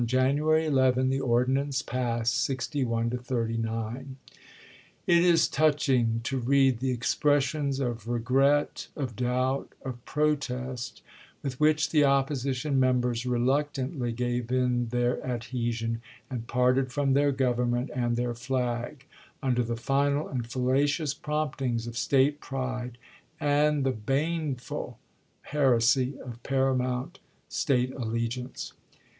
January 11 the ordinance passed, 61 to 39. It is touching to read the expressions of regret, of doubt, of protest, with which the opposition members re luctantly gave in their adhesion, and parted from their Government and their flag, under the final and fallacious promptings of State pride and the bane ful heresy of paramount State allegiance.